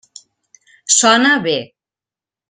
Sona bé.